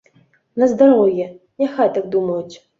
На здароўе, няхай так думаюць.